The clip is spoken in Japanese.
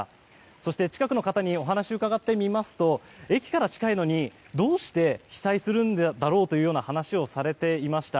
そして、近くの方にお話を伺ってみますと駅から近いのに、どうして被災するんだろうというような話をされていました。